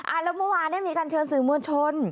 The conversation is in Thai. แล้วเมื่อวานเนี้ยมีการเชิญสื่อมวลชน